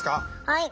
はい！